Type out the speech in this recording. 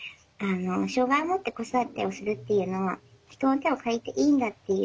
障害をもって子育てをするっていうのは人の手を借りていいんだっていう